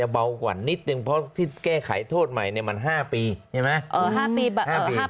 เพราะที่แก้ไขโทษใหม่เนี่ยมัน๕ปีใช่ไหม